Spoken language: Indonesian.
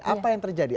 apa yang terjadi